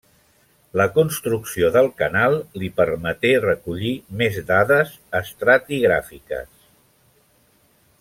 La construcció del canal li permeté recollir més dades estratigràfiques.